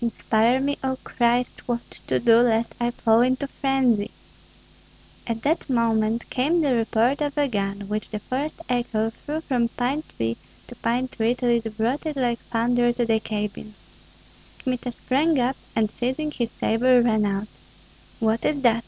"Inspire me, O Christ, what to do, lest I fall into frenzy." At that moment came the report of a gun, which the forest echo threw from pine tree to pine tree till it brought it like thunder to the cabin. Kmita sprang up, and seizing his sabre ran out. "What is that?"